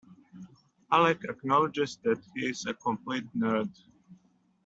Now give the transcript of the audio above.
Alec acknowledges that he is a complete nerd.